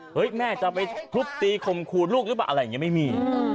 แม่จะไปทุบตีข่มขู่ลูกหรือเปล่าอะไรอย่างนี้ไม่มี